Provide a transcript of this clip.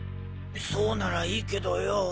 そうならいいけどよ。